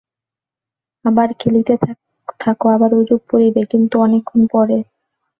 আবার খেলিতে থাক, আবার ঐরূপ পড়িবে, কিন্তু অনেকক্ষণ পরে।